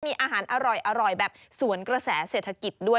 มีอาหารอร่อยแบบสวนกระแสเศรษฐกิจด้วย